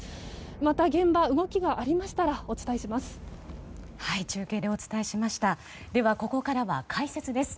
また現場に動きがありましたらお伝えします。